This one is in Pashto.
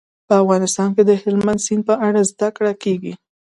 په افغانستان کې د هلمند سیند په اړه زده کړه کېږي.